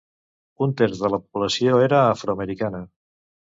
Un terç de la població era afroamericana.